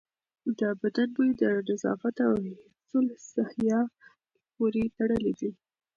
د بدن بوی د نظافت او حفظ الصحې پورې تړلی دی.